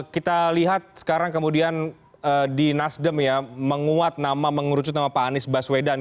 kita lihat sekarang kemudian di nasdem ya menguat nama mengurucut nama pak anies baswedan